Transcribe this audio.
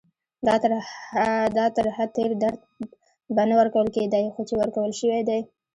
دا تر حد تېر درد به نه ورکول کېدای، خو چې ورکول شوی دی.